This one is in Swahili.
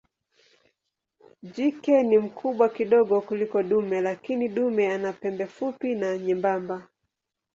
Jike ni mkubwa kidogo kuliko dume lakini dume ana pembe fupi na nyembamba.